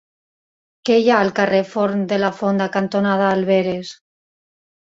Què hi ha al carrer Forn de la Fonda cantonada Alberes?